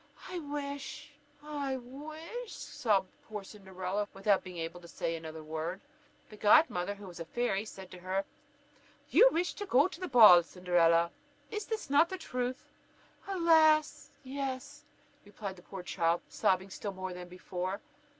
"I wish I w i s h " sobbed poor Cinderella, without being able to say another word. The godmother, who was a fairy, said to her, "You wish to go to the ball, Cinderella, is not this the truth?" "Alas! yes," replied the poor child, sobbing still more than before.